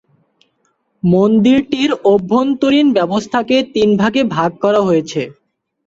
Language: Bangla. মন্দিরটির অভ্যন্তরীণ ব্যবস্থাকে তিনভাগে ভাগ করা হয়েছে।